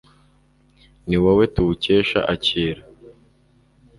ni wowe tuwukesha akira